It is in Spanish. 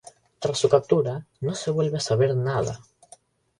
Tras su captura no se vuelve a saber nada.